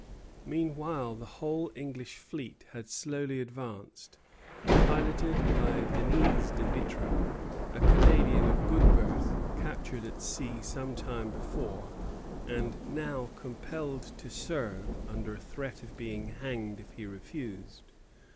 Meanwhile the whole English fleet had slowly advanced, piloted by Denis de Vitré, a Canadian of good birth, captured at sea some time before, and now compelled to serve, under a threat of being hanged if he refused.